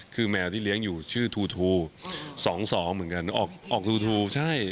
คือแมวที่เลี้ยงอยู่ชื่อทูทู๒๒เหมือนกันออกออกทูทูใช่